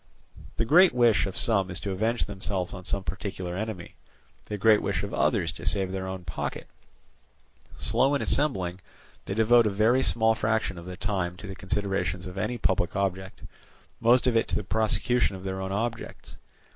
The great wish of some is to avenge themselves on some particular enemy, the great wish of others to save their own pocket. Slow in assembling, they devote a very small fraction of the time to the consideration of any public object, most of it to the prosecution of their own objects.